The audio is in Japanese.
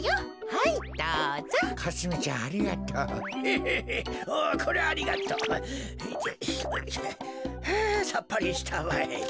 はあさっぱりしたわい。